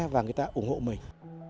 và người ta ủng hộ mình